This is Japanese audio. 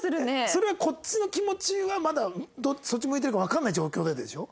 それはこっちの気持ちがまだそっち向いてるかわかんない状況ででしょ。